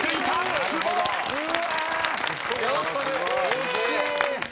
・惜しい！